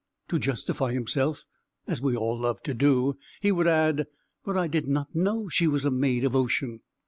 To justify himself (as we all love to do) he would add, "But I did not know she was a maid of ocean.